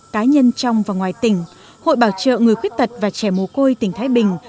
cá nhân trong và ngoài tỉnh hội bảo trợ người khuyết tật và trẻ mồ côi tỉnh thái bình